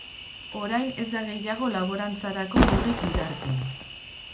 Orain ez da gehiago laborantzarako lurrik Bidarten.